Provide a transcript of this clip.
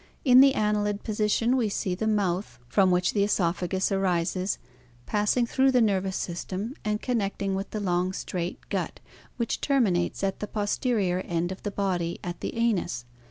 In the annelid position we see the mouth at m, from which the oesophagus arises, passing through the nervous system and connecting with the long straight gut, HH, which terminates at the posterior end of the body at the anus, a.